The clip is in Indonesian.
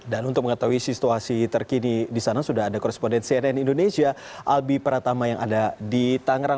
dan untuk mengetahui situasi terkini disana sudah ada koresponden cnn indonesia albi pratama yang ada di tanggerang